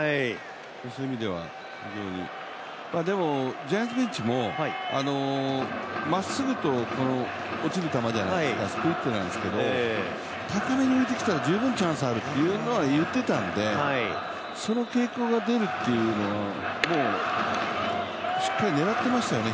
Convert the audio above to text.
そういう意味では非常に、でもジャイアンツベンチもまっすぐと落ちる球、スプリットなんですけど高めに浮いてきたら十分チャンスあるといってたんで、その傾向が出るっていうのがもうしっかり狙ってましたよね